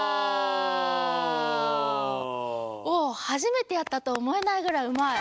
お初めてやったと思えないぐらいうまい。